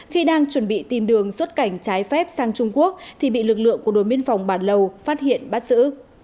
khi đang chuẩn bị tìm đường xuất cảnh trái phép sang trung quốc thì bị lực lượng của đồn biên phòng bản lầu phát hiện bắt giữ